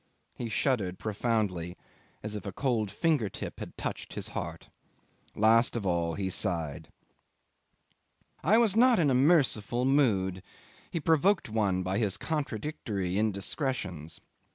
He shuddered profoundly, as if a cold finger tip had touched his heart. Last of all he sighed. 'I was not in a merciful mood. He provoked one by his contradictory indiscretions.